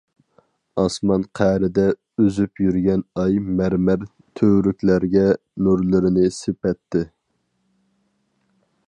ئاسمان قەرىدە ئۈزۈپ يۈرگەن ئاي مەرمەر تۈۋرۈكلەرگە نۇرلىرىنى سېپەتتى.